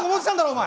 お前。